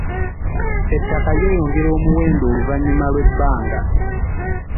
Ettaka lyeyongera omuwendo oluvannyuma lw'ebbanga.